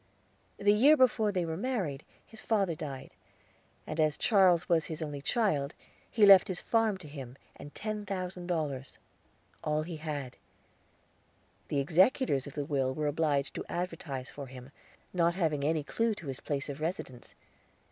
The year before they were married his father died, and as Charles was his only child, he left his farm to him, and ten thousand dollars all he had. The executors of the will were obliged to advertise for him, not having any clue to his place of residence.